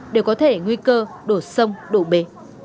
đều có thể nguy cơ đổ sông đổ bể